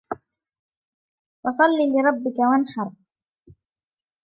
فَصَلِّ لِرَبِّكَ وَانْحَرْ